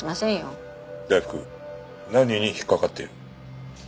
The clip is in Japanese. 大福何に引っ掛かっている？